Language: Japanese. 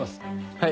はい。